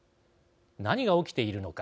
何が起きているのか。